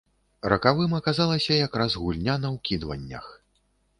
Ракавым аказалася якраз гульня на ўкідваннях.